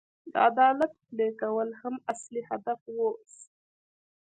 د عدالت پلي کول هم اصلي هدف واوسي.